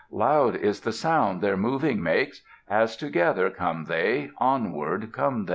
Loud is the sound their moving makes, As together come they, onward come they.